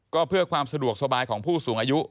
ก็เพื่อความสะดวกสบายของผู้สูงอายุ